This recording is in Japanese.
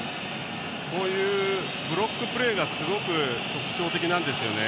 こういうブロックプレーがすごく特徴的なんですよね